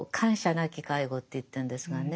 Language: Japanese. なき介護って言ってるんですがね。